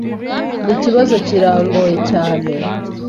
Iki kibazo kirangoye cyane.